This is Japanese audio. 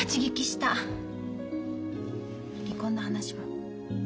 離婚の話も。